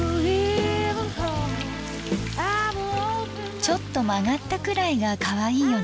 ちょっと曲がったくらいがかわいいよね。